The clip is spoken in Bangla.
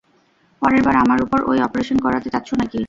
পরেরবার আমার উপর ঐ অপারেশন করাতে চাচ্ছ নাকি?